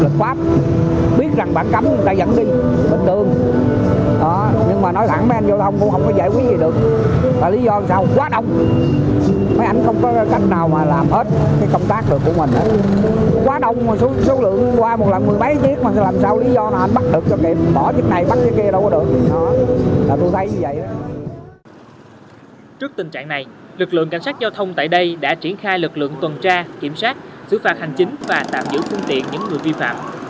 trước tình trạng này lực lượng cảnh sát giao thông tại đây đã triển khai lực lượng tuần tra kiểm soát xử phạt hành chính và tạm giữ phương tiện những người vi phạm